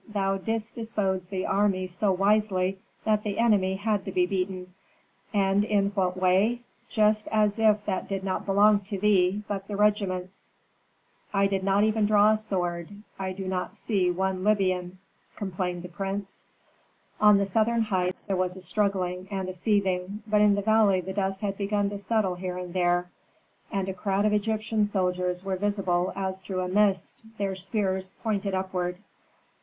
"Thou didst dispose the army so wisely that the enemy had to be beaten. And in what way? Just as if that did not belong to thee, but the regiments." "I did not even draw a sword. I do not see one Libyan," complained the prince. On the southern heights there was a struggling and a seething, but in the valley the dust had begun to settle here and there, and a crowd of Egyptian soldiers were visible as through a mist, their spears pointed upward.